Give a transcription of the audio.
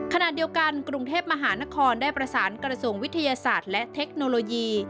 ขณะเดียวกันกรุงเทพมหานครได้ประสานกระทรวงวิทยาศาสตร์และเทคโนโลยี